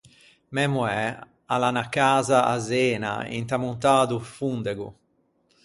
Mæ moæ a l’à unna casa à Zena inta montâ do Fondego.